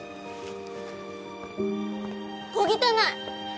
小汚い！